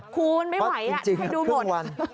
คูณไม่ไหวดูหมด